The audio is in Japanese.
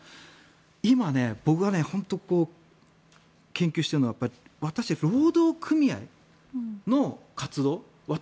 今、僕が研究しているのは労働組合の活動私